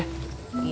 mau berangkat ya